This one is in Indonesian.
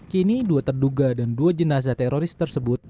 kini dua terduga dan dua jenazah teroris tersebut